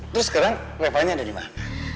terus sekarang revanya ada dimana